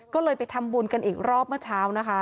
ก็เลยไปทำบุญกันอีกรอบเมื่อเช้านะคะ